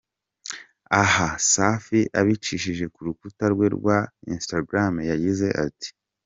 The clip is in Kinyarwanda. Aha Safi abicishije ku rukuta rwe rwa Instagram, yagize ati.